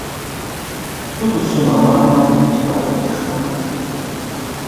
Тут усё нармальна і па-ранейшаму.